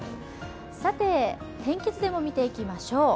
天気図でも見ていきましょう。